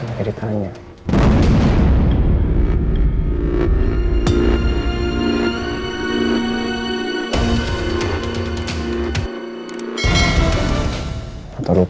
kalau tidak anda harus selip